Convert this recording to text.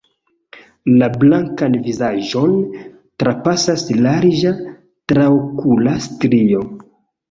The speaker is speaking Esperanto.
La blankan vizaĝon trapasas larĝa traokula strio.